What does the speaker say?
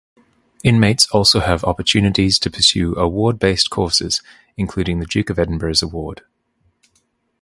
Inmates also have opportunities to pursue award-based courses including the Duke of Edinburgh's Award.